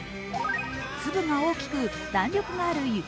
粒が大きく弾力がある雪